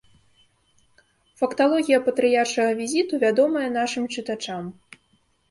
Факталогія патрыяршага візіту вядомая нашым чытачам.